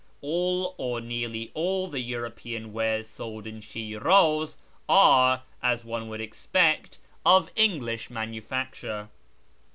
All, or nearly all, the European wares sold in Shin'iz are, as one would expect, of English manufacture.